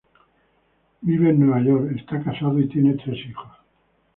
Vive en Nueva York, está casado y tiene tres hijos.